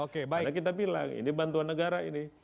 karena kita bilang ini bantuan negara ini